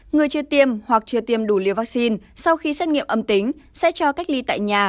người chưa tiêm hoặc chưa tiêm đủ liều vaccine sau khi xét nghiệm âm tính sẽ cho cách ly tại nhà